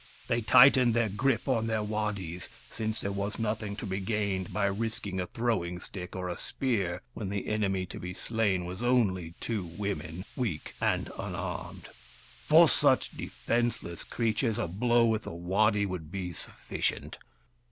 They tightened their grip on their waddies, since there was no thing to be gained by risking a throwing stick or a spear when the enemy to be slain was only two women, weak and unarmed. For such defenceless creatures, a blow with a waddy would be sufficient.